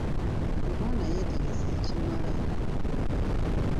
Omwana yeetegese ekimala.